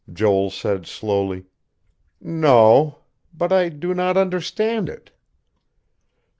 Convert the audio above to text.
Joel said slowly: "No. But I do not understand it."